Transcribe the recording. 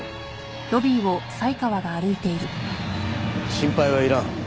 心配はいらん。